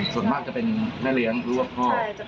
คนหลังจัดเกิดเรื่องนี้มีการแข้ไหม